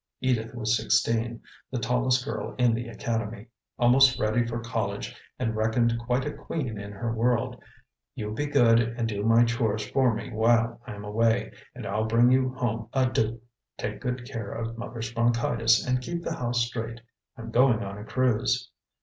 Edith was sixteen, the tallest girl in the academy, almost ready for college and reckoned quite a queen in her world "You be good and do my chores for me while I'm away, and I'll bring you home a duke. Take care of mother's bronchitis, and keep the house straight. I'm going on a cruise."